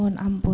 saya tidak mau